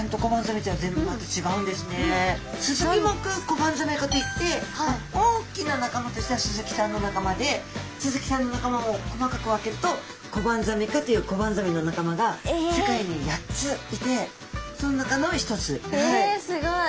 スズキ目コバンザメ科といって大きな仲間としてはスズキさんの仲間でスズキさんの仲間を細かく分けるとコバンザメ科というコバンザメの仲間が世界に８ついてその中の一つはい。